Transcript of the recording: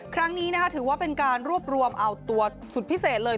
ครั้งนี้ถือว่าเป็นการรวบรวมเอาตัวสุดพิเศษเลย